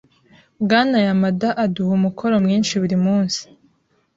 Bwana Yamada aduha umukoro mwinshi buri munsi.